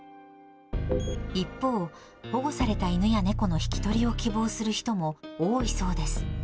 一方、保護された犬や猫の引き取りを希望する人も多いそうです。